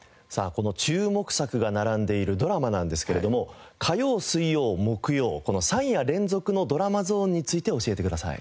この注目作が並んでいるドラマなんですけれども火曜水曜木曜この３夜連続のドラマゾーンについて教えてください。